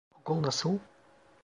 Okul nasıl?